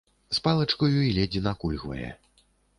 З палачкаю і ледзь накульгвае.